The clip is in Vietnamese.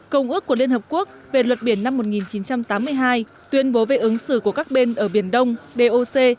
công ước của liên hợp quốc về luật biển năm một nghìn chín trăm tám mươi hai tuyên bố về ứng xử của các bên ở biển đông doc